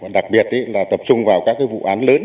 đặc biệt là tập trung vào các vụ án lớn